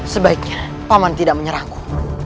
sebaiknya paman tidak menyerahku